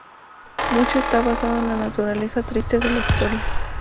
Mucho está basado en la naturaleza triste de la historia.